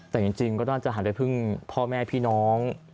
แต่จริงก็น่าจะหันไปพึ่งพ่อแม่พี่น้อง